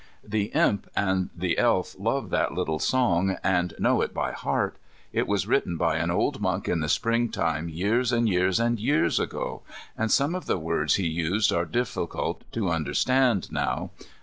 The Imp and the Elf love that little song and know it by heart. It was written by an old monk in the Spring time years and years and years ago, and some of the words he used are difficult to understand now.